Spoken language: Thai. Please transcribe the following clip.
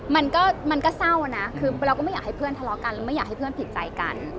มันก็มันก็เศร้านะคือเราก็ไม่อยากให้เพื่อนทะเลาะกันเราไม่อยากให้เพื่อนผิดใจกัน